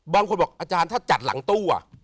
บางคนบอกอาจารย์ถ้าจัดหลังตู้